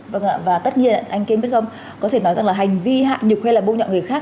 vâng ạ và tất nhiên anh kim biết không có thể nói rằng là hành vi hạ nhục hay là bô nhọ người khác